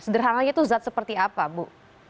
sederhananya itu zat seperti apa bu